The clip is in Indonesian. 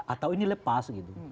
atau ini lepas gitu